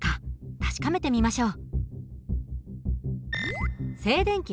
確かめてみましょう。